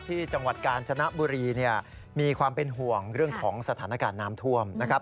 ที่จังหวัดกาญจนบุรีมีความเป็นห่วงเรื่องของสถานการณ์น้ำท่วมนะครับ